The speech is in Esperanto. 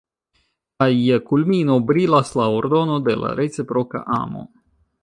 Kaj je kulmino brilas la ordono de la reciproka amo.